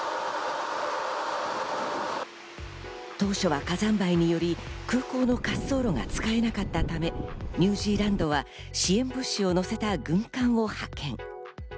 当初は火山灰により空港の滑走路が使えなかったためニュージーランドは支援物資をのせた軍艦を派遣。